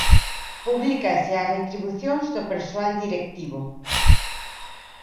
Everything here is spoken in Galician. Publícanse as retribucións do persoal directivo.